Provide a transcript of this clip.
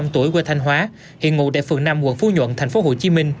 sáu mươi năm tuổi quê thanh hóa hiện ngụ tại phường năm quận phú nhuận tp hcm